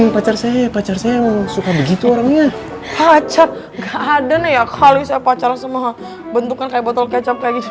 pacaran semua bentukan kayak botol kecap kayak gitu